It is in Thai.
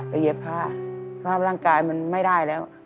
ไปเย็บผ้าสมัครของร่างกายมันไม่ได้แล้ว